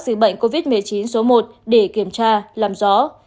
dịch bệnh covid một mươi chín số một để kiểm tra làm rõ